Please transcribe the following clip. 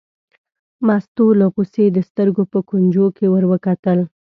مستو له غوسې د سترګو په کونجو کې ور وکتل.